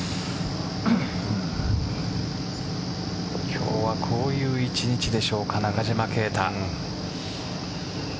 今日はこういう一日でしょうか中島啓太。